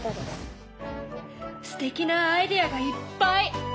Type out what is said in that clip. すてきなアイデアがいっぱい！